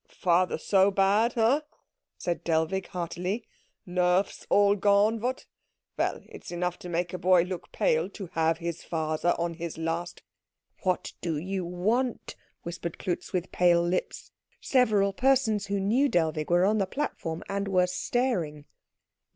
"Father so bad, eh?" said Dellwig heartily. "Nerves all gone, what? Well, it's enough to make a boy look pale to have his father on his last " "What do you want?" whispered Klutz with pale lips. Several persons who knew Dellwig were on the platform, and were staring.